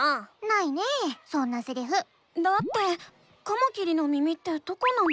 だってカマキリの耳ってどこなの？